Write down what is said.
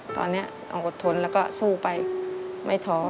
ตอนนี้ต้องอดทนแล้วก็สู้ไปไม่ท้อ